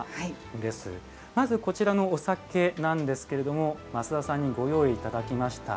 まずこちらのお酒なんですけれども増田さんにご用意頂きました。